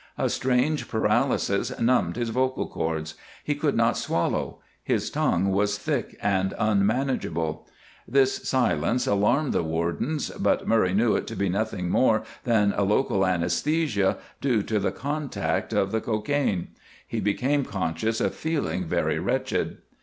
A strange paralysis numbed his vocal cords; he could not swallow; his tongue was thick and unmanageable. This silence alarmed the wardens, but Murray knew it to be nothing more than a local anæsthesia due to the contact of the cocaine. He became conscious of feeling very wretched.